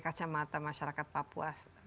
kacamata masyarakat papua